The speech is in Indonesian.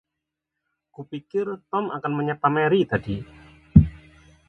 Ku pikir Tom akan menyapa Mary tadi.